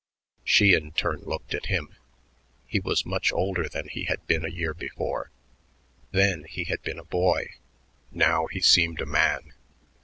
She in turn looked at him. He was much older than he had been a year before. Then he had been a boy; now he seemed a man.